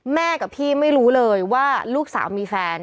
กับพี่ไม่รู้เลยว่าลูกสาวมีแฟน